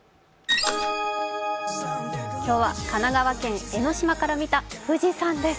今日は神奈川県江の島から見た富士山です。